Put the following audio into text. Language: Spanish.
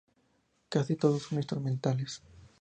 Casi todos son instrumentales.